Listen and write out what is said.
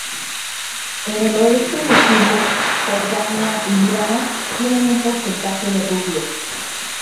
En el oeste de Siria, Jordania y Líbano, tienen un porcentaje de rubios.